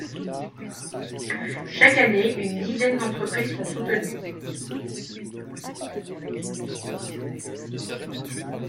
Chaque année une dizaine d'entreprises sont soutenues.